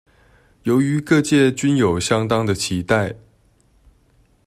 由於各界均有相當的期待